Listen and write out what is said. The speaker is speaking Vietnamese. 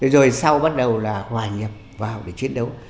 rồi sau bắt đầu là hòa nhập vào để chiến đấu